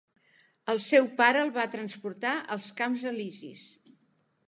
El seu pare el va transportar als Camps Elisis.